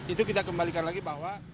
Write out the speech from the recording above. itu kita kembalikan lagi bahwa